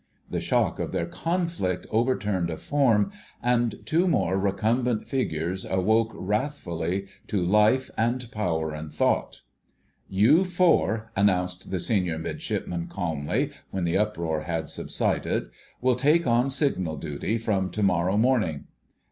The shock of their conflict overturned a form, and two more recumbent figures awoke wrathfully to "life and power and thought." "You four," announced the Senior Midshipman calmly, when the uproar had subsided, "will take on signal duty from to morrow morning."